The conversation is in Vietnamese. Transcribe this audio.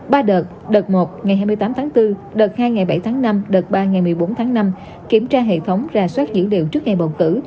ba đợt đợt một ngày hai mươi tám tháng bốn đợt hai ngày bảy tháng năm đợt ba ngày một mươi bốn tháng năm kiểm tra hệ thống ra soát dữ liệu trước ngày bầu cử